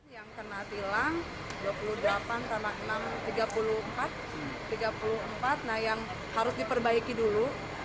yang kena tilang dua puluh delapan kena enam tiga puluh empat tiga puluh empat nah yang harus diperbaiki dulu